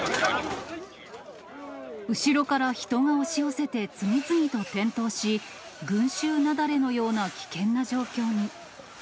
後ろから人が押し寄せて、次々と転倒し、群衆雪崩のような危険な状況に。